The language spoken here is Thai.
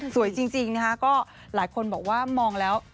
สวยจริงนะคะก็หลายคนบอกว่ามองแล้ว